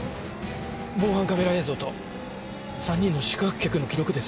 防犯カメラ映像と３人の宿泊客の記録です。